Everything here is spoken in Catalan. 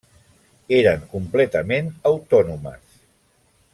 Eren completament autònomes.